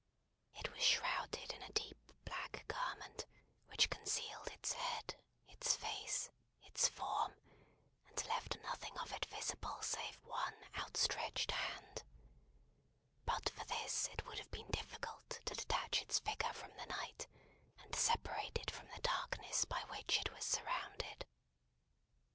It was shrouded in a deep black garment, which concealed its head, its face, its form, and left nothing of it visible save one outstretched hand. But for this it would have been difficult to detach its figure from the night, and separate it from the darkness by which it was surrounded.